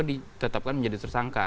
ditetapkan menjadi tersangka